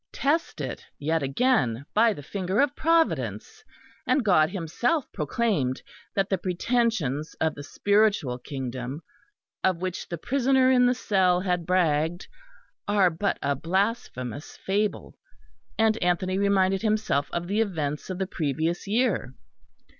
Test it, yet again, by the finger of Providence; and God Himself proclaimed that the pretensions of the spiritual kingdom, of which the prisoner in the cell had bragged, are but a blasphemous fable. And Anthony reminded himself of the events of the previous year.